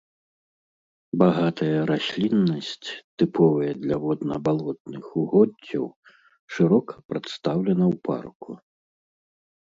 Багатая расліннасць, тыповая для водна-балотных угоддзяў, шырока прадстаўлена ў парку.